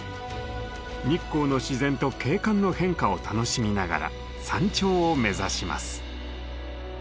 日光の自然と景観の変化を楽しみながら山頂を目指します。